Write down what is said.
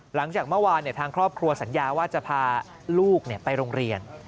หลังจากเมื่อวานทางครอบครัวสัญญาว่าจะพาลูกไปโรงเรียน